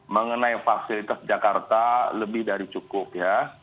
mengenai fasilitas jakarta lebih dari cukup ya